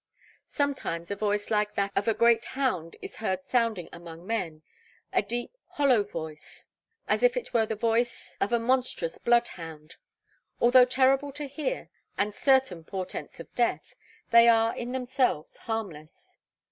Sometimes a voice like that of a great hound is heard sounding among them a deep hollow voice, as if it were the voice of a monstrous bloodhound. Although terrible to hear, and certain portents of death, they are in themselves harmless.